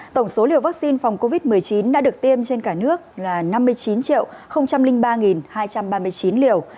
tổng số liều vaccine phòng covid một mươi chín đã được tiêm trên cả nước là năm mươi chín ba hai trăm ba mươi chín liều